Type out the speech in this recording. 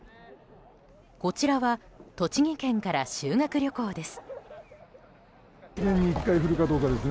こちらは栃木県から修学旅行です。